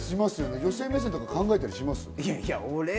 女性目線、考えたりします？